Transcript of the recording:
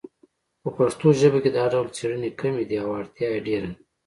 په پښتو ژبه کې دا ډول څیړنې کمې دي او اړتیا یې ډېره ده